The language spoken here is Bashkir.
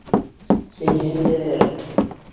Сәйнәһендәр!